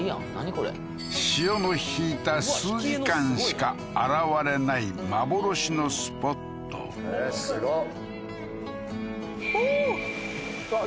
これ潮の引いた数時間しか現れない幻のスポットへえーすごっおおーあっ